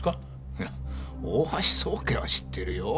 いや大橋宗桂は知ってるよ。